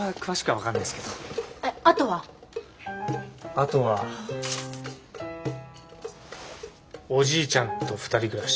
あとはおじいちゃんと２人暮らし。